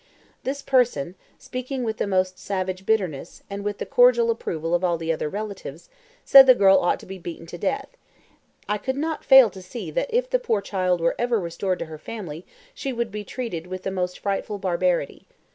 This person, speaking with the most savage bitterness, and with the cordial approval of all the other relatives, said that the girl ought to be beaten to death. I could not fail to see that if the poor child were ever restored to her family she would be treated with the most frightful barbarity.